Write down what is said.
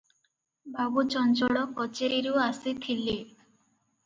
ବାବୁ ଚଞ୍ଚଳ କଚେରିରୁ ଆସିଥିଲେ ।